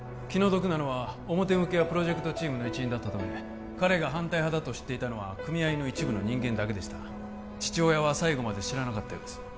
気の毒なのは表向きはプロジェクトチームの一員だったため彼が反対派だと知っていたのは組合の一部の人間だけでした父親は最後まで知らなかったようです